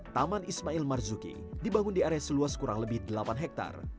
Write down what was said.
taman ismail marzuki dibangun di area seluas kurang lebih delapan hektare